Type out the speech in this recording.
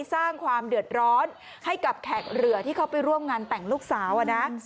สร้างความเดือดร้อนให้กับแขกเรือที่เขาไปร่วมงานแต่งลูกสาวนะ